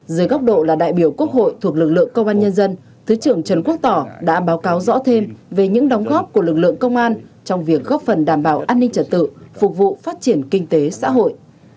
dưới góc độ là đại biểu quốc hội thuộc lực lượng công an nhân dân thứ trưởng trần quốc tỏ đã báo cáo rõ thêm về những đóng góp của lực lượng công an trong việc góp phần đảm bảo an ninh trật tự phục vụ phát triển kinh tế xã hội